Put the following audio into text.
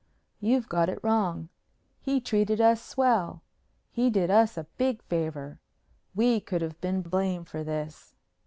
"You've got it wrong. He treated us swell. He did us a big favor. We could have been blamed for this."